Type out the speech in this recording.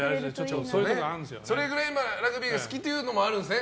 それくらいラグビーが好きというのもあるんですね